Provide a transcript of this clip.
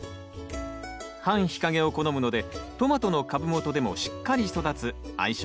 半日陰を好むのでトマトの株元でもしっかり育つ相性